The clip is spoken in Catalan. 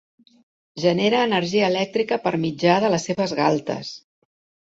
Genera energia elèctrica per mitjà de les seves galtes.